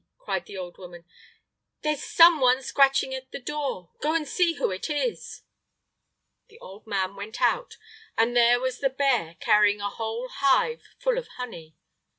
cried the old woman, "there's some one scratching at the door; go and see who it is!" The old man went out, and there was the bear carrying a whole hive full of honey.